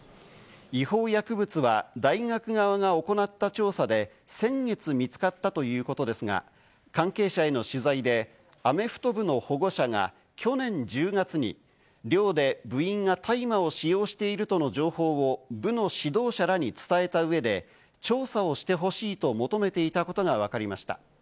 違法薬物は大学側が行った調査で、先月に見つかったということですが、関係者への取材でアメフト部の保護者が去年１０月に、寮で部員が大麻を使用しているとの情報を部の指導者らに伝えた上で、調査をしてほしいと求めていたことがわかりました。